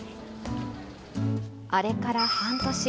あれから半年。